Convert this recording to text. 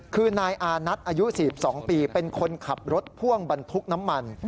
คือนายอานัทอายุ๔๒ปีเป็นคนขับรถพ่วงบรรทุกน้ำมัน